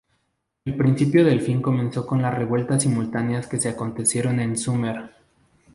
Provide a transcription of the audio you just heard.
El principio del fin comenzó con las revueltas simultáneas que se acontecieron en Sumer.